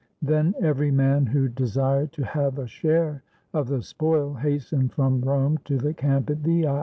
Then every man who desired to have a share of the spoil hastened from Rome to the camp at Veii.